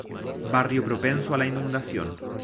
Barrio propenso a la inundación.